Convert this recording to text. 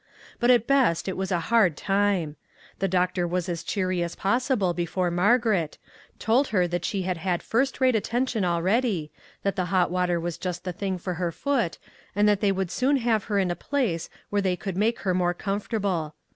But at best it was a hard time. The doctor was as cheery as possi ble before Margaret, told her that she had had first rate attention already, that the hot water was just the thing for her foot, and that they would soon have her in a place where they could make her more comfortable.